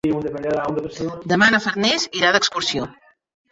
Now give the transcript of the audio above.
Demà na Farners irà d'excursió.